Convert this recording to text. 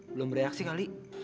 belum bereaksi kali